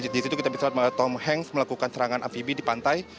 di situ kita bisa tom hanks melakukan serangan amfibi di pantai